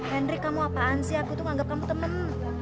hendrik kamu apaan sih aku tuh menganggap kamu temen